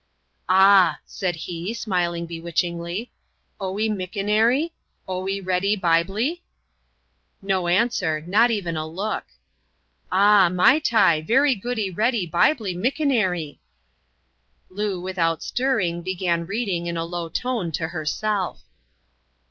"Ah!" said he, smiling bewitchingly, "oee mickonaree? oee ready Biblee ?" No answer ; not even a look. " Ah ! maitai I very goody ready BiUee miekonaree.'^ Loo, without stirring, began reading, in a law tone, to her self.